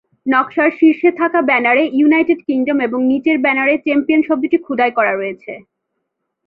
নকশার শীর্ষে থাকা ব্যানারে "ইউনাইটেড কিংডম" এবং নিচের ব্যানারে "চ্যাম্পিয়ন" শব্দটি খোদাই করা রয়েছে।